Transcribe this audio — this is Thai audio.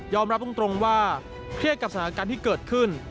รับตรงว่าเครียดกับสถานการณ์ที่เกิดขึ้น